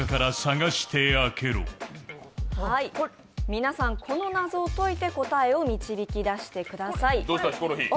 皆さん、この謎を解いて、答えを導き出してください。